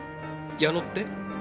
矢野って？